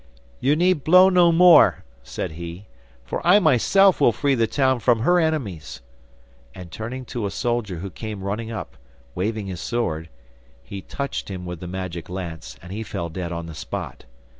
'You need blow no more,' said he, 'for I myself will free the town from her enemies.' And turning to a soldier who came running up, waving his sword, he touched him with the magic lance, and he fell dead on the spot.